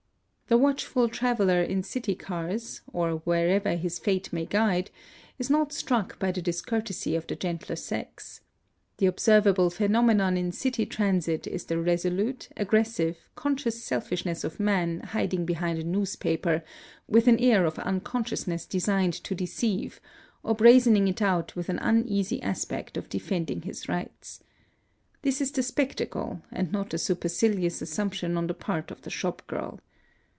The watchful traveller in city cars, or wherever his fate may guide, is not struck by the discourtesy of the gentler sex. The observable phenomenon in city transit is the resolute, aggressive, conscious selfishness of man hiding behind a newspaper, with an air of unconsciousness designed to deceive, or brazening it out with an uneasy aspect of defending his rights. This is the spectacle, and not a supercilious assumption on the part of the shop girl.